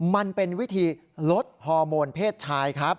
มันเป็นวิธีลดฮอร์โมนเพศชายครับ